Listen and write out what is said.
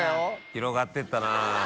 広がってったなぁ。